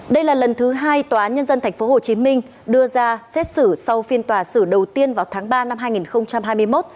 đây là lần thứ hai tòa nhân dân tp hcm đưa ra xét xử sau phiên tòa xử đầu tiên vào tháng ba năm hai nghìn hai mươi một